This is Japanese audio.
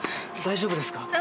大丈夫ですか？